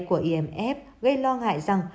của imf gây lo ngại rằng